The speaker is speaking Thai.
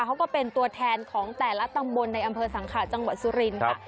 เขาก็เป็นตัวแทนของแต่ละตำบลในอำเภอสังขาจังหวัดสุรินทร์ค่ะ